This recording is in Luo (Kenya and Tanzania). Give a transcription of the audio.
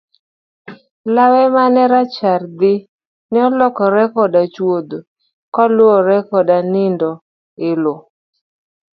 Lawe mane rachar thii ne olokore koda chuodho kaluwore koda nindo e loo.